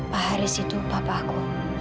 pak haris itu papa aku